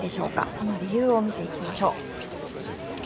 その理由を見ていきましょう。